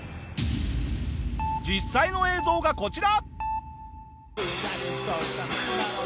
実際の映像がこちら！